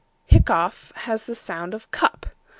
Hiccough has the sound of "cup"......